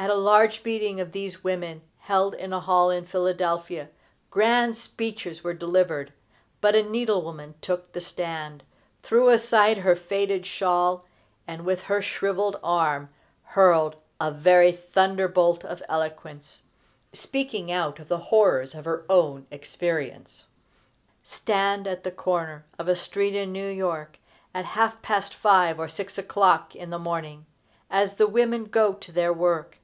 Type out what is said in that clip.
At a large meeting of these women, held in a hall in Philadelphia, grand speeches were delivered, but a needle woman took the stand, threw aside her faded shawl, and, with her shrivelled arm, hurled a very thunder bolt of eloquence, speaking out of the horrors of her own experience. Stand at the corner of a street in New York at half past five or six o'clock in the morning, as the women go to their work.